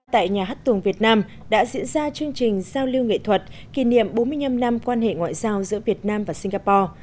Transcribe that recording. tại nhà hát tuồng việt nam đã diễn ra chương trình giao lưu nghệ thuật kỷ niệm bốn mươi năm năm quan hệ ngoại giao giữa việt nam và singapore